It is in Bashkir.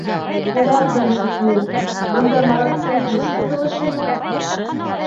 Уларҙың тип ни, бында Мараттың һис ҡыҫылышы юҡ.